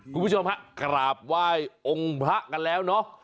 คุณผู้ชมฮะกราบไหว้องค์พระกันแล้วเนาะ